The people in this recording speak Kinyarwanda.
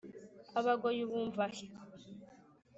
abagoyi ubumva he ?